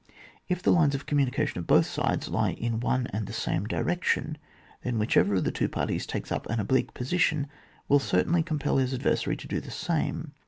If the lines of communication of both sides lie in one and the same direction, then whichever of the two parties takes up an oblique position will certainly compel his adversary to do the same.